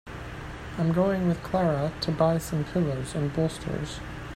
I'm going with Clara to buy some pillows and bolsters.